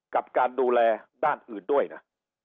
กับการดูแลด้านอื่นด้วยนะ